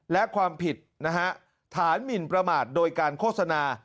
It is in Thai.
และความผิดนะฮะฐานหมินประมาทโดยการโฆษณา